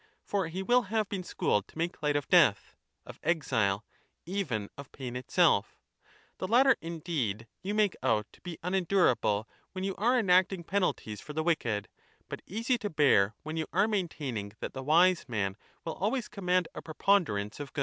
For he will have been schooled to make light of death, of exile, even of pain itself. The latter indeed you make out to be unendurable when you are enacting penalties for the wicked, but easy to bear \ you are maintaining that the Wise Man will always le command a preponderance of Good.